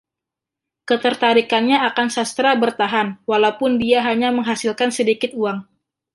Ketertarikannya akan sastra bertahan, walaupun dia hanya menghasilkan sedikit uang.